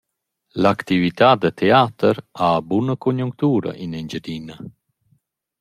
L’actività da teater ha buna conjunctura in Engiadina.